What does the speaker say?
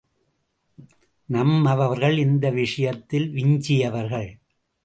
நம்மவர்கள் இந்த விஷயத்தில் விஞ்சியவர்கள்.